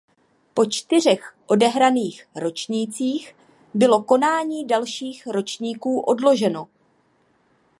Po čtyřech odehraných ročnících bylo konání dalších ročníků odloženo.